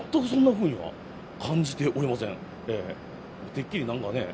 てっきり何かね